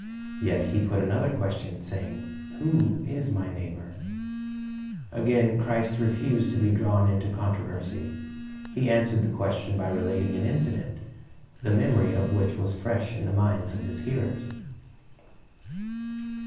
Yet he put another question, saying, "Who is my neighbor?" Again Christ refused to be drawn into controversy. He answered the question by relating an incident, the memor\ of which was fresh in the minds of His hearers.